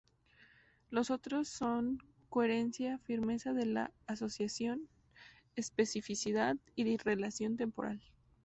Los otros son coherencia, firmeza de la asociación, especificidad, y relación temporal.